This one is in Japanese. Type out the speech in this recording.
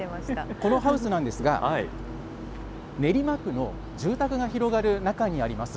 このハウスなんですが、練馬区の住宅が広がる中にあります。